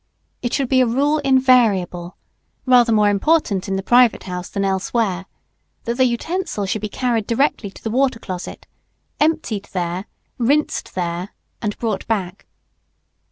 It should be a rule invariable, rather more important in the private house than elsewhere, that the utensil should be carried directly to the water closet, emptied there, rinsed there, and brought back.